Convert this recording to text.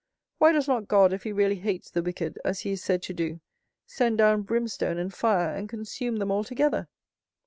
Why does not God, if he really hates the wicked, as he is said to do, send down brimstone and fire, and consume them altogether?"